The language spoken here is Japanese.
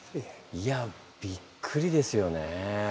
いやびっくりですよね。